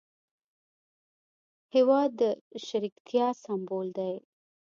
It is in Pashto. هېواد د شریکتیا سمبول دی.